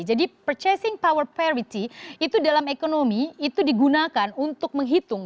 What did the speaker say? jadi purchasing power parity itu dalam ekonomi itu digunakan untuk menghitung